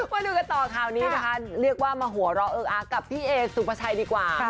วันนี้ก็ต่อคราวนี้นะคะเรียกว่ามาหัวเราะเอิ๊กอักกับพี่เอ๋สสุภาชัยดีกว่า